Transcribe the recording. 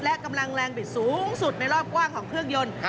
และกำลังแรงบิดสูงสุดในรอบกว้างของเครื่องยนต์